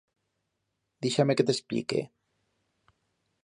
Dixa-me que t'expllique.